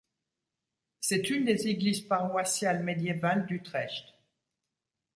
C'est une des églises paroissiales médiévales d'Utrecht.